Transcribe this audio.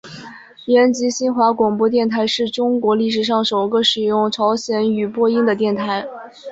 延吉新华广播电台是中国历史上首个使用朝鲜语播音的电台。